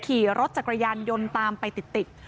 ขี่รถจักรยานยนต์ตามไปติด